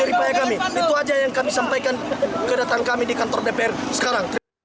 terdapat dari hasil cerita kami itu saja yang kami sampaikan kedatangan kami di kantor dpr sekarang